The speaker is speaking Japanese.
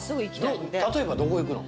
例えばどこ行くの？